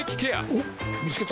おっ見つけた。